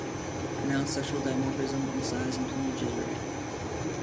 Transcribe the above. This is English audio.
Pronounced sexual dimorphism in size and plumage is rare.